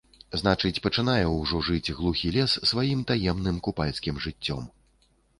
Значыць, пачынае ўжо жыць глухі лес сваім таемным купальскім жыццём.